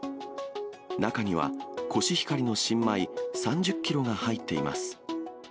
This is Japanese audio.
中にはコシヒカリの新米３０キロが入っています。